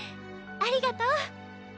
ありがとう。